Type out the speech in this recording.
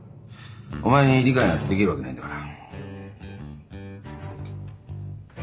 お前に理解なんてできるわけないんだから。